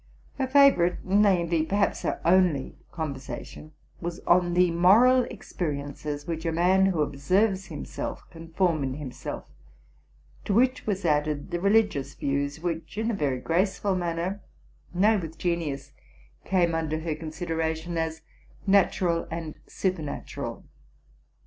Her favorite, nay, indeed, perhaps her only, con versation, was on the moral experiences which a man who observes himself can form in himself; to which was added the religious views which, in a very graceful manner, nay, with genius, came under her consideration as natural and supernatural.